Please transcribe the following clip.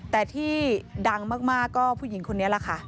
แต่ที่ดังมากก็ผู้หญิงคนนี้แหละค่ะ